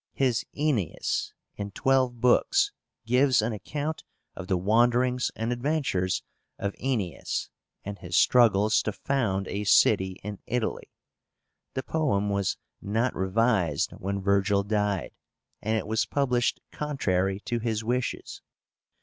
His Aenéis, in twelve books, gives an account of the wanderings and adventures of Aenéas, and his struggles to found a city in Italy. The poem was not revised when Virgil died, and it was published contrary to his wishes.